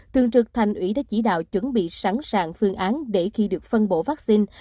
thường trực thành ủy đã chỉ đạo chuẩn bị sẵn sàng phương án để khi được phân bổ vaccine